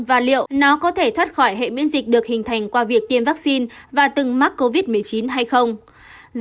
và liệu nó có thể thoát khỏi hệ miễn dịch được hình thành qua việc tiêm vaccine và từng mắc covid một mươi chín hay không